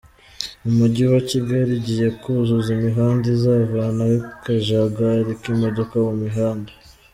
Umujyi wa Kigali ugiye kuzuza imihanda izavanaho akajagali k’imodoka mu mihanda